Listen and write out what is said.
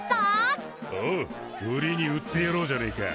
おう売りに売ってやろうじゃねえか。